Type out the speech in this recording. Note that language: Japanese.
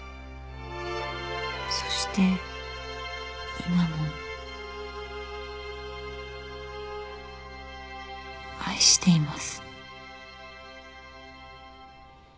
そして今も愛しています」